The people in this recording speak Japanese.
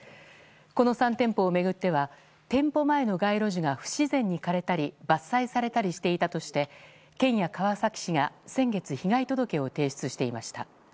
この３店舗を巡っては店舗前の街路樹が不自然に枯れたり伐採されたりしていたとして県や川崎市が先月被害届を提出していました。